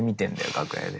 楽屋で。